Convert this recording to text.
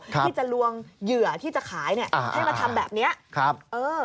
ที่จะลวงเหยื่อที่จะขายให้มาทำแบบนี้